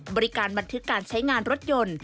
บริการบันทึกการใช้งานรถยนต์